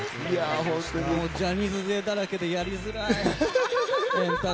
ジャニーズ勢だらけでやりづらい。円卓。